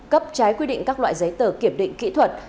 cấp trái quy định các loại giấy tờ kiểm định kỹ thuật